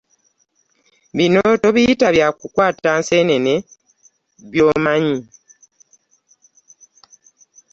Bino tobiyita bya kukwata nseenene by'omanyi.